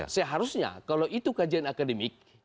saya harusnya kalau itu kajian akademik